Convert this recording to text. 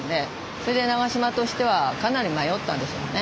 それで永島としてはかなり迷ったんでしょうね。